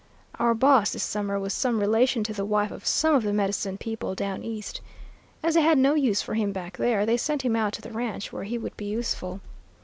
"Our boss this summer was some relation to the wife of some of the medicine people Down East. As they had no use for him back there, they sent him out to the ranch, where he would be useful.